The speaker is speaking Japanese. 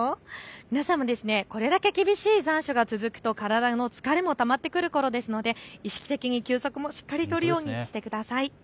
皆さんもこれだけ厳しい残暑が続くと体の疲れもたまってくるころですので意識的に休息もしっかり取るようにしてください。